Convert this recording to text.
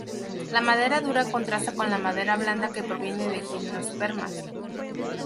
La madera dura contrasta con la madera blanda que proviene de gimnospermas.